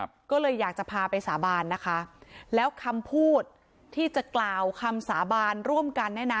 ก็เลยอยากจะพาไปสาบานนะคะแล้วคำพูดที่จะกล่าวคำสาบานร่วมกันเนี่ยนะ